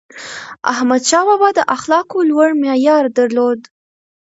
احمدشاه بابا د اخلاقو لوړ معیار درلود.